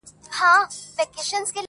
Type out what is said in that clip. • د کهول یو غړی تنها مات کړي..